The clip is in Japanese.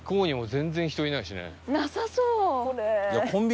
なさそう。